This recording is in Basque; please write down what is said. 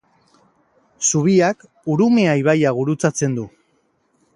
Zubiak Urumea ibaia gurutzatzen du.